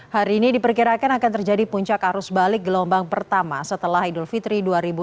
hari ini diperkirakan akan terjadi puncak arus balik gelombang pertama setelah idul fitri dua ribu dua puluh